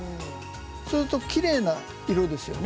そうするときれいな色ですよね。